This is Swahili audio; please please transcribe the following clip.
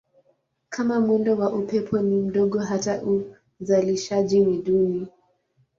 Kama mwendo wa upepo ni mdogo hata uzalishaji ni duni.